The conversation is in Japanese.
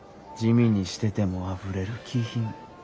地味にしててもあふれる気品。